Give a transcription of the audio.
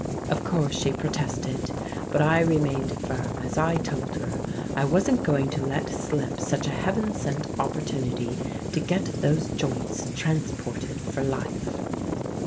Of course she protested, but I remained firm; as I told her, I wasn't going to let slip such a heaven sent opportunity to get those joints transported for life.